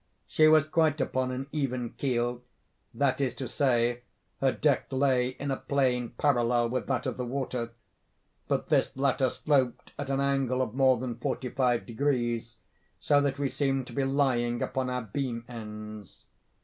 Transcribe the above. She was quite upon an even keel—that is to say, her deck lay in a plane parallel with that of the water—but this latter sloped at an angle of more than forty five degrees, so that we seemed to be lying upon our beam ends.